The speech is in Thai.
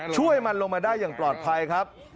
ช่วยมันลงมาได้อย่างปลอดภัยครับ